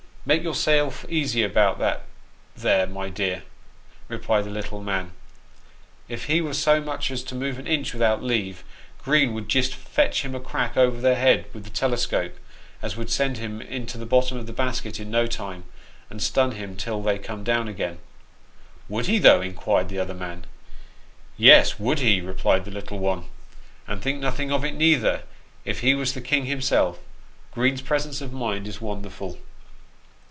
" Make yourself easy about that there, my dear," replied the little man. " If he was so much as to move a inch without leave, Green would jist fetch him a crack over the head with the telescope, as would send him into the bottom of the basket in no time, and stun him till they come down again." " Would he, though ?" inquired the other man. " Yes, would he," replied the little one, " and think nothing of it, neither, if he was the king himself. Green's presence of mind is wonderful."